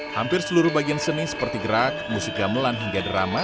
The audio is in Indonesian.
hampir seluruh bagian seni seperti gerak musik gamelan hingga drama